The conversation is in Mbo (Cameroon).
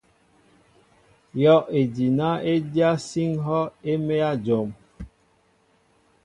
Yɔʼejina e dyá síŋ hɔʼ e mέa jom.